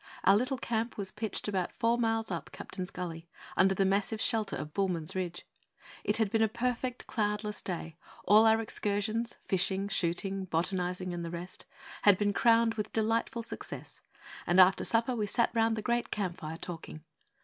Our little camp was pitched about four miles up Captain's Gully, under the massive shelter of Bulman's Ridge. It had been a perfect, cloudless day; all our excursions fishing, shooting, botanizing, and the rest had been crowned with delightful success; and after supper we sat round the great camp fire, talking.